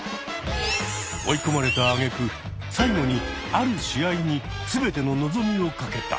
追い込まれたあげく最後にある試合に全ての望みをかけた。